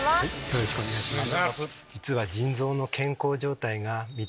よろしくお願いします。